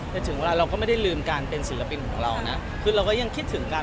แต่ถึงเวลาเราก็ไม่ได้ลืมการเป็นศิลปินของเรานะคือเราก็ยังคิดถึงกัน